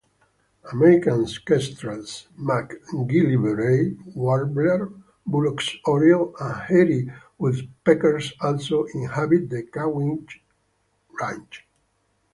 American kestrels, MacGillivray's warbler, Bullock's oriole, and hairy woodpeckers also inhabit the Kawich Range.